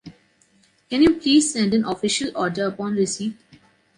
Can you please send an official order upon receipt?